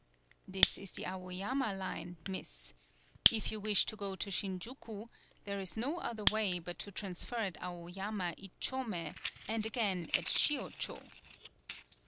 "This is the Awoyama line, Miss. If you wish to go to Shinjuku, there is no other way but to transfer at Awoyama Itchome, and again at Shiocho."